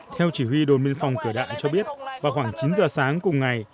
theo chỉ huy đồn biên phòng cửa đạm cho biết vào khoảng chín giờ sáng cùng ngày